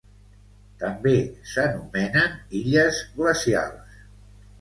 També s'anomenen illes glacials.